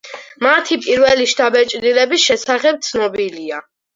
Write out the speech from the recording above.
მათი პირველი შთაბეჭდილების შესახებ ცნობილია.